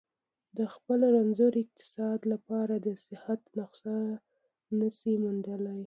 د خپل رنځور اقتصاد لپاره د صحت نسخه نه شي موندلای.